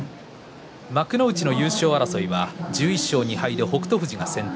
幕内の優勝争いは１１勝２敗で北勝富士が先頭。